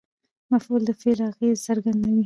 مفعول د فعل اغېز څرګندوي.